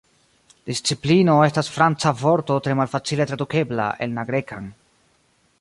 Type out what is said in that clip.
Disciplino estas Franca vorto tre malfacile tradukebla en la Grekan.